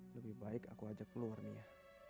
lebih baik aku ajak keluar mia